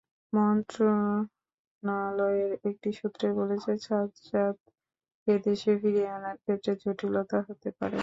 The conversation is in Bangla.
মন্ত্রণালয়ের একটি সূত্র বলেছে, সাজ্জাদকে দেশে ফিরিয়ে আনার ক্ষেত্রে জটিলতা হতে পারে।